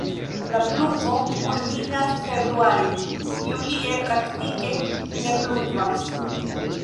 La pluvo kulminas februare, julie praktike ne pluvas.